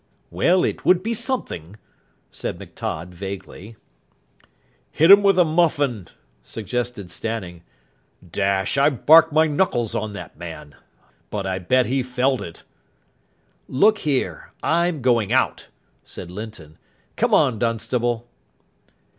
"Well, it would be something," said McTodd vaguely. "Hit 'em with a muffin," suggested Stanning. "Dash, I barked my knuckles on that man. But I bet he felt it." "Look here, I'm going out," said Linton. "Come on, Dunstable."